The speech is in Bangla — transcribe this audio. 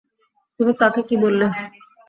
তুমি তাকে কি বললে?